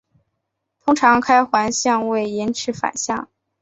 通常开环相位延迟反相。